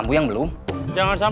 masih di pasar